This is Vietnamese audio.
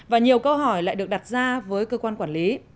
và nhiều câu hỏi lại được đặt ra với cơ quan quản lý